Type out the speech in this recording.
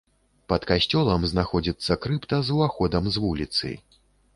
Пад касцёлам знаходзіцца крыпта з уваходам з вуліцы.